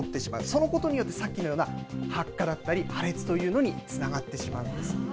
そのことによって、さっきのような発火だったり破裂というのにつながってしまうんですって。